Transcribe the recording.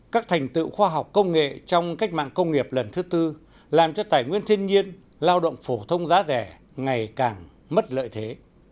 các thành tựu khoa học công nghệ trong cách mạng công nghiệp lần thứ tư làm cho tài nguyên thiên nhiên lao động phổ thông giá rẻ ngày càng mất lợi thế